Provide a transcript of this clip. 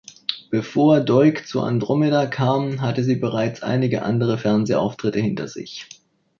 Bevor Doig zu "Andromeda" kam, hatte sie bereits einige andere Fernsehauftritte hinter sich.